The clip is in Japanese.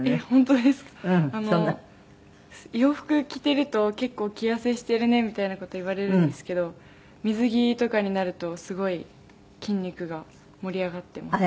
洋服着てると結構着痩せしてるねみたいな事を言われるんですけど水着とかになるとすごい筋肉が盛り上がってます。